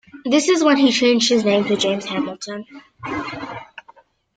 This is when he changed his name to James Hamilton.